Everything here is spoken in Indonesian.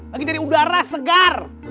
lagi nyari udara segar